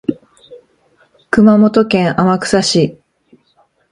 熊本県天草市